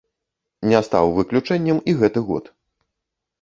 Не стаў выключэннем і гэты год.